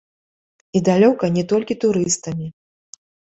І далёка не толькі турыстамі.